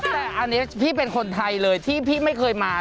แต่อันนี้พี่เป็นคนไทยเลยที่พี่ไม่เคยมา